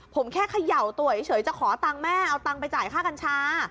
ผมแค่เขย่าตัวเฉยจะขอตังค์แม่เอาตังค์ไปจ่ายค่ากัญชา